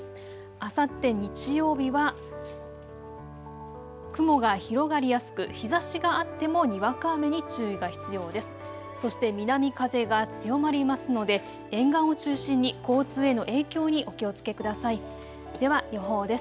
あさって日曜日は雲が広がりやすく日ざしがあってもにわか雨に注意が必要です。